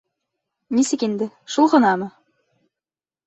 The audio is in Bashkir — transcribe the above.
— Нисек инде — шул ғынамы?